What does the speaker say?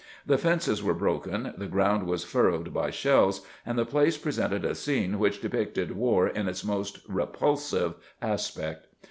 The fences were broken, the ground was furrowed by shells ; and the place presented a scene which depicted war in its most repulsive aspect.